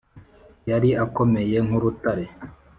yari akomeye nk’urutare